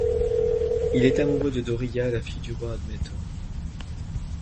Il est amoureux de Dorilla, la fille du roi Admeto.